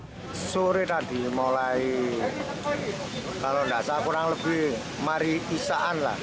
banjir tadi mulai kalau enggak saya kurang lebih mari isaan lah